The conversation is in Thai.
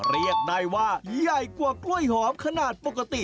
เรียกได้ว่าใหญ่กว่ากล้วยหอมขนาดปกติ